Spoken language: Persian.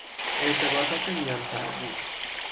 ارتباطات میان فردی